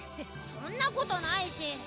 そんなことないし。